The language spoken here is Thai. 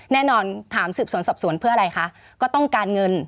แน่นอนถามสืบสวนสอบสวนเพื่ออะไรคะก็ต้องการเงิน